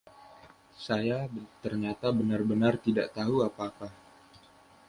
Saya ternyata benar-benar tidak tahu apa-apa!